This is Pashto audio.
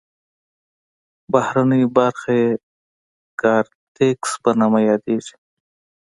بهرنۍ برخه یې کارتکس په نامه یادیږي.